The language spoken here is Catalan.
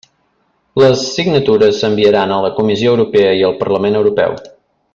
Les signatures s'enviaran a la Comissió Europea i al Parlament Europeu.